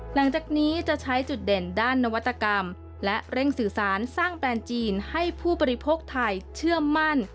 หลังจากนี้จะใช้จุดเด่นด้านนวัตกรรมและเร่งสื่อสารสร้างแบรนด์จีนให้ผู้บริโภคไทยเชื่อมั่น